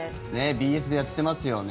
ＢＳでやってますよね。